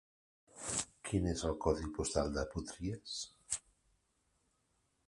Quin és el codi postal de Potries?